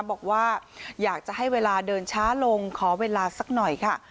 บอกว่าอยากจะให้เวลาเดินช้าลงขอเวลาสักหน่อยค่ะ